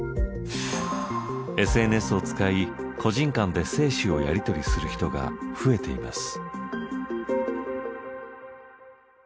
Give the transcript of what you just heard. ＳＮＳを使い個人間で精子をやり取りする人が増えています。